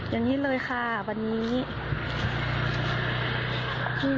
อย่างนี้เลยค่ะวันนี้